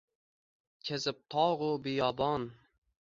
Kezib tog’u biyobon